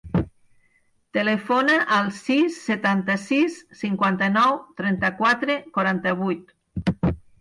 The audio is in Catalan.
Telefona al sis, setanta-sis, cinquanta-nou, trenta-quatre, quaranta-vuit.